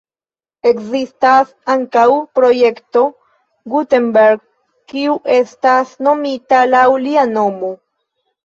Ekzistas ankaŭ Projekto Gutenberg, kiu estas nomita laŭ lia nomo.